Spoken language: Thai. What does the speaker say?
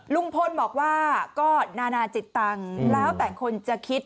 ลุงพลบอกว่าก็นานาจิตตังค์แล้วแต่คนจะคิด